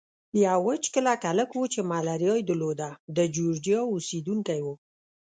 یو وچ کلک هلک وو چې ملاریا یې درلوده، د جورجیا اوسېدونکی و.